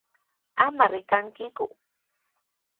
¡Ama rikankiku!